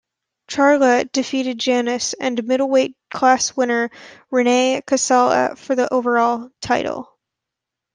Charla defeated Janice and middleweight class winner Renee Casella for the overall title.